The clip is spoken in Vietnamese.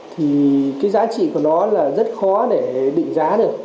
thì cái giá trị của nó là rất khó để định giá được